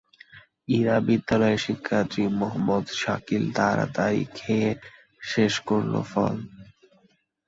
ইরা বিদ্যালয়ের শিক্ষার্থী মোহাম্মদ শাকিল তাড়াতাড়ি খেয়ে শেষ করল ফল।